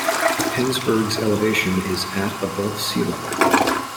Pennsburg's elevation is at above sea level.